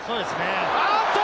あっと！